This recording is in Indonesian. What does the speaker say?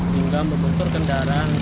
hingga membentur kendaraan